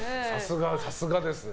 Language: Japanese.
さすがですね。